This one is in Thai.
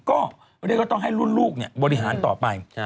ก็เรียกว่าต้องให้รุ่นลูกบริหารต่อไป